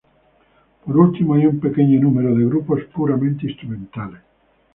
Por último, hay un pequeño número de grupos puramente instrumentales.